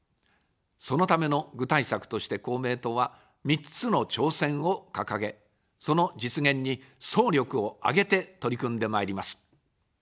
そのための具体策として公明党は、３つの挑戦を掲げ、その実現に総力を挙げて取り組んでまいります。